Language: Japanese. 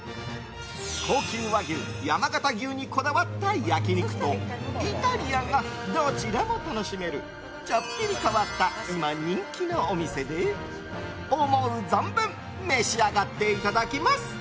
高級和牛・山形牛にこだわった焼き肉とイタリアンがどちらも楽しめるちょっぴり変わった今、人気のお店で思う存分召し上がっていただきます。